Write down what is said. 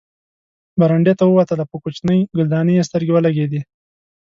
برنډې ته ووتله، په کوچنۍ ګلدانۍ یې سترګې ولګېدې.